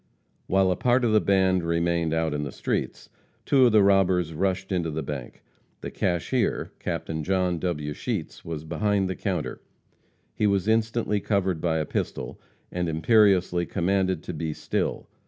While a part of the band remained out in the streets, two of the robbers rushed into the bank. The cashier, Captain John W. Sheets, was behind the counter. He was instantly covered by a pistol, and imperiously commanded to be still.